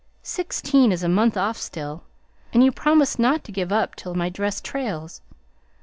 Sixteen is a month off still, and you promised not to give me up till my dress trails.